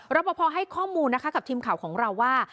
รับประพอให้ข้อมูลนะคะกับทีมข่าวของเราว่า